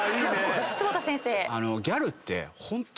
坪田先生。